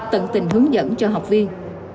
tận tình hướng dẫn cho học viên